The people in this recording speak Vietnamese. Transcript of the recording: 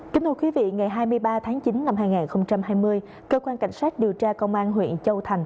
kính thưa quý vị ngày hai mươi ba tháng chín năm hai nghìn hai mươi cơ quan cảnh sát điều tra công an huyện châu thành